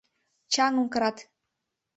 Чаҥым кырат.